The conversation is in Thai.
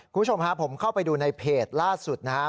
คุณผู้ชมฮะผมเข้าไปดูในเพจล่าสุดนะครับ